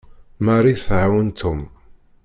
Mary tɛawen Tom.